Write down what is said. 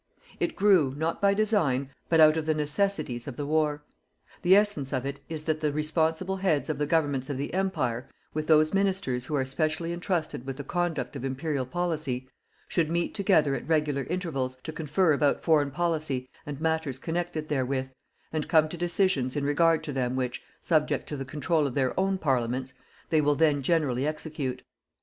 It grew, not by design, but out of the necessities of the war. The essence of it is that the responsible heads of the Governments of the Empire, with those Ministers who are specially entrusted with the conduct of Imperial Policy should meet together at regular intervals to confer about foreign policy and matters connected therewith, and come to decisions in regard to them which, subject to the control of their own Parliaments, they will then generally execute.